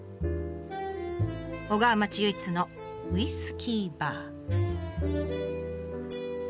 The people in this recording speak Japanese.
小川町唯一のウイスキーバー。